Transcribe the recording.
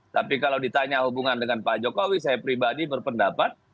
tapi kalau ditanya hubungan dengan pak jokowi saya pribadi berpendapat